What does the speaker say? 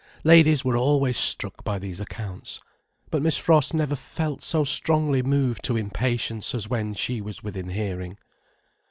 Ladies were always struck by these accounts. But Miss Frost never felt so strongly moved to impatience as when she was within hearing.